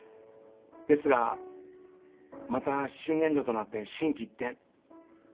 ですがまた新年度となって心機一転。